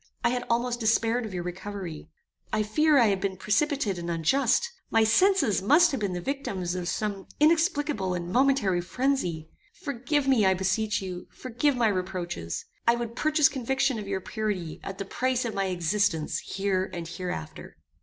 I had almost despaired of your recovery. I fear I have been precipitate and unjust. My senses must have been the victims of some inexplicable and momentary phrenzy. Forgive me, I beseech you, forgive my reproaches. I would purchase conviction of your purity, at the price of my existence here and hereafter."